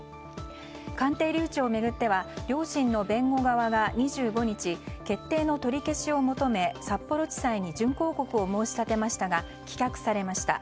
鑑定留置を巡っては両親の弁護側が２５日決定の取り消しを求め札幌地裁に準抗告を申し立てましたが棄却されました。